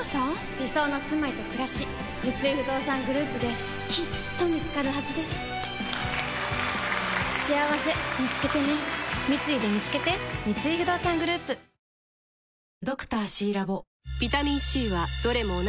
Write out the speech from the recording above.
理想のすまいとくらし三井不動産グループできっと見つかるはずですしあわせみつけてね三井でみつけて納期は２週間後あぁ！！